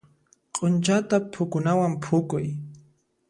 Q'unchata phukunawan phukuy.